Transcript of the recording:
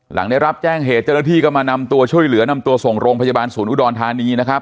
หลังได้รับแจ้งเหตุเจ้าหน้าที่ก็มานำตัวช่วยเหลือนำตัวส่งโรงพยาบาลศูนย์อุดรธานีนะครับ